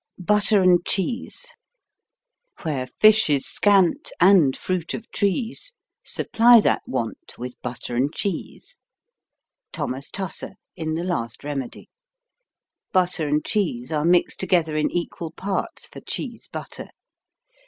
BUTTER AND CHEESE Where fish is scant And fruit of trees, Supply that want With butter and cheese. Thomas Tusser in The Last Remedy Butter and cheese are mixed together in equal parts for cheese butter.